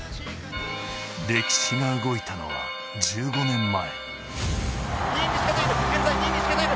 歴史が動いたのは１５年前。